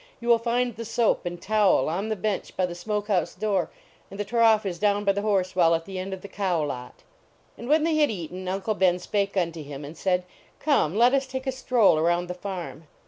You will find the soap and towel on the bench by the smoke house door, and the trough is down by the horse well at the end of the cow lot." And when they had eaten, Uncle Ben spake unto him and said, " Come, let us take a stroll around the farm."